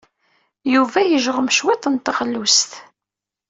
Yuba yejɣem cwiṭ n teɣlust.